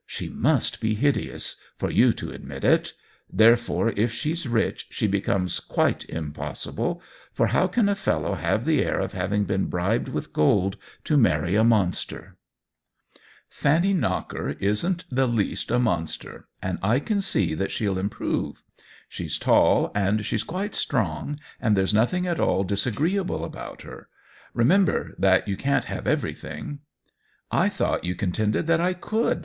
" ?»he \\\\\M be hideous for you to admit 11 rheieloie. if she's rich, she becomes i|MlUi ln»po*»%ible ; for how can a fellow have \\\\^ lUl ol htiNinj; been bribed with gold to lUtUiy \\ moiiMei r* THE WHEEL OF TIME 13 " Fanny Knocker isn't the least a monster, and I can see that she'll improve. She's tall, and she's quite strong, and there's nothing at all disagreeable about her. Re member that you can't have everything." " I thought you contended that I could